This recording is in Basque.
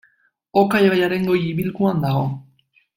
Oka ibaiaren goi ibilguan dago.